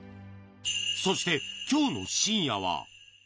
そして、きょうの深夜は。